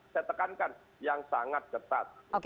saya tekankan yang sangat ketat